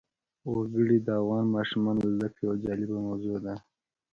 وګړي د افغان ماشومانو د زده کړې یوه جالبه موضوع ده.